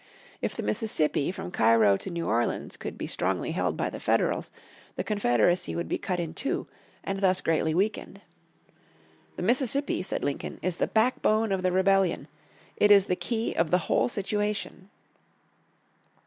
If the Mississippi from Cairo to New Orleans could be strongly held by the Federals, the Confederacy would be cut in two, and thus greatly weakened. "The Mississippi," said Lincoln, "is the backbone of the rebellion; it is the key of the whole situation.